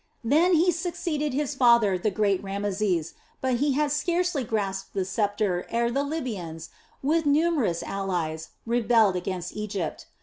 Then he succeeded his father the great Rameses, but he had scarcely grasped the sceptre ere the Libyans, with numerous allies, rebelled against Egypt.